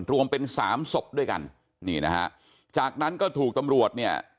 รวมเป็นสามศพด้วยกันนี่นะฮะจากนั้นก็ถูกตำรวจเนี่ย